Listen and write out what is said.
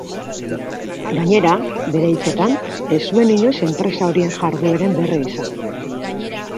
Gainera, bere hitzetan, ez zuen inoiz enpresa horien jardueren berri izan.